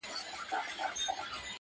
څو یې ستا تېره منگول ته سمومه،